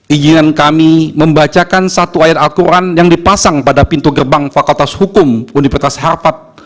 ijin kami membacakan satu ayat al quran yang dipasang pada pintu gerbang fakultas hukum universitas harpat